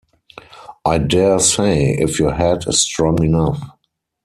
I dare say, if your head is strong enough.